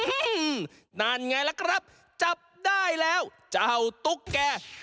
นั่นไงล่ะครับจับได้แล้วเจ้าตุ๊กแก่